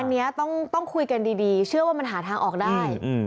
อันนี้ต้องคุยกันดีเชื่อว่ามันหาทางออกได้